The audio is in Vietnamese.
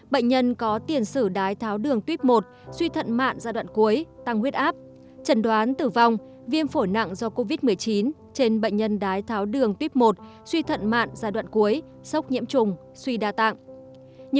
bệnh nhân có tiền sử đái tháo đường tuyếp một suy thận mạn giai đoạn cuối tăng huyết áp trần đoán tử vong viêm phổi nặng do covid một mươi chín trên bệnh nhân đái tháo đường tuyếp một suy thận mạn giai đoạn cuối sốc nhiễm trùng suy đa tạng